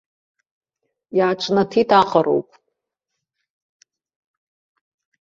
Иааҿнаҭит аҟароуп.